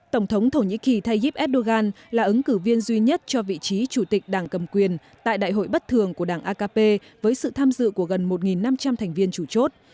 tổng thống thổ nhĩ kỳ tayyip erdogan là ứng cử viên duy nhất cho vị trí chủ tịch đảng cầm quyền tại đại hội bất thường của đảng akp với sự tham dự của gần một năm trăm linh thành viên chủ chốt